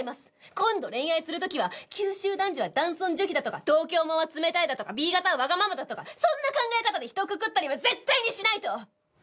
今度恋愛する時は九州男児は男尊女卑だとか東京もんは冷たいだとかＢ型はわがままだとかそんな考え方で人をくくったりは絶対にしないと。